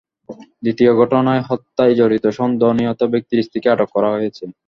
দ্বিতীয় ঘটনায় হত্যায় জড়িত সন্দেহে নিহত ব্যক্তির স্ত্রীকে আটক করা হয়েছে।